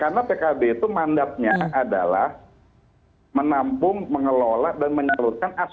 karena pkb itu mandatnya adalah menampung mengelola dan menyalurkan aspirasi politik warga nu